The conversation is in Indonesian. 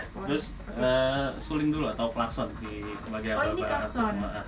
terus suling dulu atau plakson di bagian bawah